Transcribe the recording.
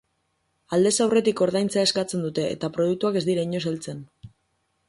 Aldez aurretik ordaintzea eskatzen dute eta produktuak ez dira inoiz heltzen.